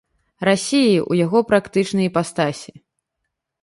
Расіі, у яго практычнай іпастасі.